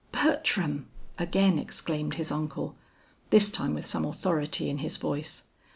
"Bertram!" again exclaimed his uncle, this time with some authority in his voice.